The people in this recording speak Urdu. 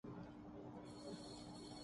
صورت حال آج بھی وہی ہے۔